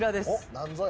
何ぞや。